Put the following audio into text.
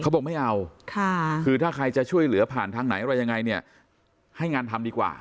บอกไม่เอาคือถ้าใครจะช่วยเหลือผ่านทางไหนอะไรยังไงเนี่ยให้งานทำดีกว่า